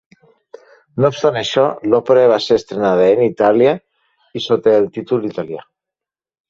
No obstant això, l'òpera va ser estrenada en italià i sota el títol italià.